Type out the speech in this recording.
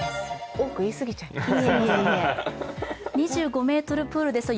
多く言いすぎちゃいましたね。